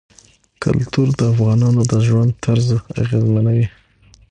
کلتور د افغانانو د ژوند طرز اغېزمنوي.